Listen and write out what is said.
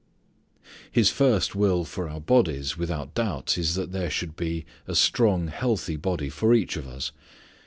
His first will for our bodies, without doubt, is that there should be a strong healthy body for each of us.